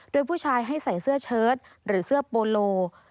โดยผู้ชายให้ใส่เสื้อเชิดหรือเสื้อโปโล